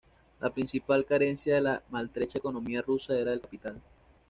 La principal carencia de la maltrecha economía rusa era el capital.